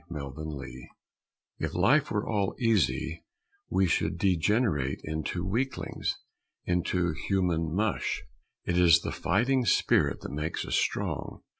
THE FIGHTER If life were all easy, we should degenerate into weaklings into human mush. It is the fighting spirit that makes us strong.